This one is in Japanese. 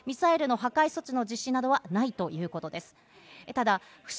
ミサイルの破壊措置の実施などはないということです。